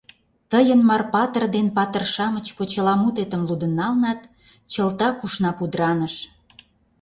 Тыйын «Мар-Патыр» дене «Патыр-шамыч» почеламутетым лудын налнат, чылтак ушна пудыраныш.